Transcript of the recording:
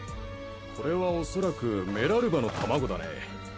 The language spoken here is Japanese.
これはおそらくメラルバの卵だね。